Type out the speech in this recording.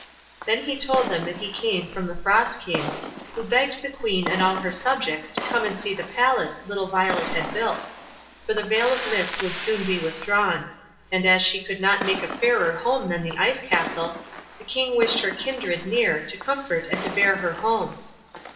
Then he told them that he came from the Frost King, who begged the Queen and all her subjects to come and see the palace little Violet had built; for the veil of mist would soon be withdrawn, and as she could not make a fairer home than the ice castle, the King wished her kindred near to comfort and to bear her home.